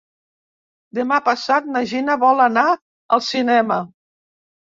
Demà passat na Gina vol anar al cinema.